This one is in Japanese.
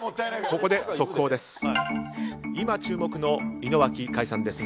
ここで速報です。